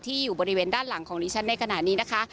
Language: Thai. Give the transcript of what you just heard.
อยู่บริเวณด้านหลังของดิฉันในขณะนี้นะคะ